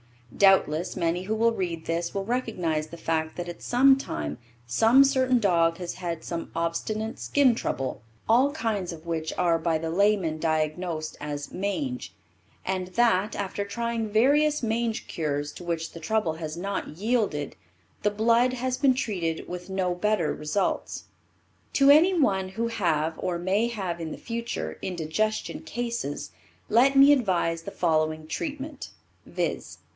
Doubtless many who will read this will recognize the fact that at some time some certain dog has had some obstinate skin trouble, all kinds of which are by the layman diagnosed as "mange", and that, after trying various mange cures to which the trouble has not yielded, the blood has been treated with no better results. To any one who have, or may have in the future, indigestion cases, let me advise the following treatment, viz.